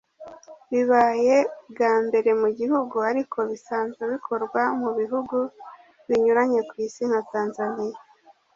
bibaye ubwa mbere mu gihugu ariko bisanzwe bikorwa mu bihugu binyuranye ku isi nka Tanzaniya